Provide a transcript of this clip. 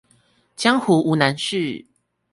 江湖無難事